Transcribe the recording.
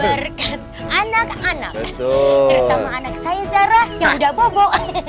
terutama anak saya zara yang udah bobo